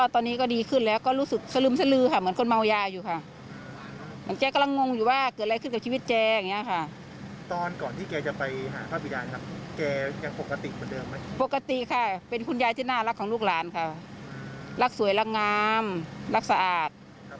พ่อแกไม่ถึงผ่านไปกี่เดือนแกเปลี่ยนไปขนาดนี้ครับ